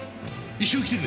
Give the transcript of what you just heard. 一緒に来てくれ。